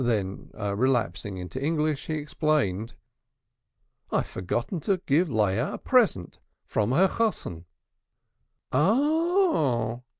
Then relapsing into English, he explained. "I've forgotten to give Leah a present from her chosan." "A h h!"